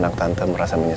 aku bener aku bener